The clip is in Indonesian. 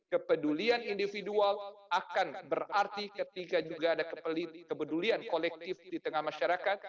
kepedulian individual akan berarti ketika juga ada kepedulian kolektif di tengah masyarakat